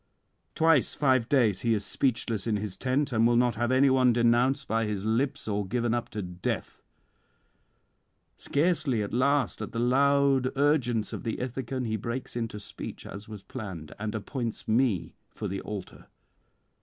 Twice five days he is speechless in his tent, and will not have any one denounced by his lips, or given up to death. Scarcely at last, at the loud urgence of the Ithacan, he breaks into speech as was planned, and appoints me for the altar.